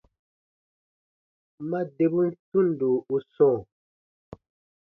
Ma debun tundo u sɔ̃ɔ.